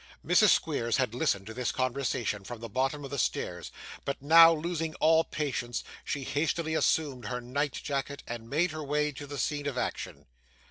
Mrs. Squeers had listened to this conversation, from the bottom of the stairs; but, now losing all patience, she hastily assumed her night jacket, and made her way to the scene of action.